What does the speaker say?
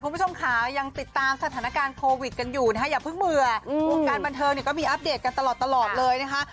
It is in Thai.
คุณผู้ชมค่ะยังติดตามสถานการณ์โควิดกันอยู่นะคะอย่าเพิ่งเบื่อวงการบันเทิงเนี่ยก็มีอัปเดตกันตลอดเลยนะคะ